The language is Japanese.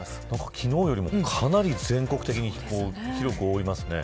昨日よりもかなり全国的に広く覆いますね。